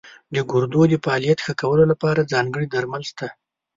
د ګردو د فعالیت ښه کولو لپاره ځانګړي درمل شته.